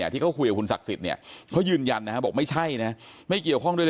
ที่เขาคุยกับคุณศักดิ์สิทธิ์เขายืนยันนะครับบอกไม่ใช่นะไม่เกี่ยวข้องด้วยนะ